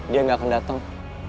dia gak akan dateng